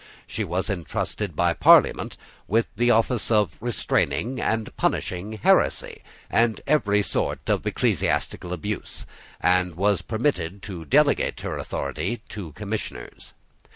She was entrusted by Parliament with the office of restraining and punishing heresy and every sort of ecclesiastical abuse, and was permitted to delegate her authority to commissioners.